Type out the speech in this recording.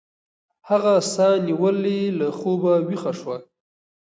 هغه ساه نیولې له خوبه ویښه شوه.